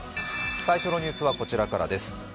最初のニュースはこちらからです。